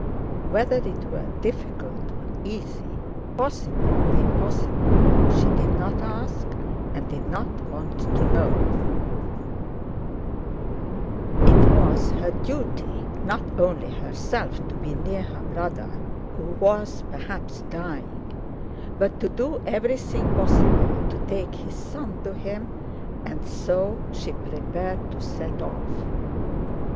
Whether it were difficult or easy, possible or impossible, she did not ask and did not want to know: it was her duty, not only to herself, to be near her brother who was perhaps dying, but to do everything possible to take his son to him, and so she prepared to set off.